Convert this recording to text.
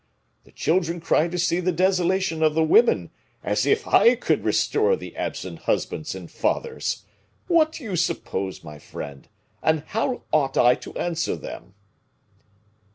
The children cry to see the desolation of the women, as if I could restore the absent husbands and fathers. What do you suppose, my friend, and how ought I to answer them?"